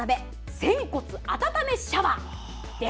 仙骨温めシャワーです。